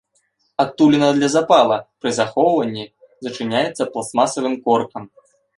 Адтуліна для запала пры захоўванні зачыняецца пластмасавым коркам.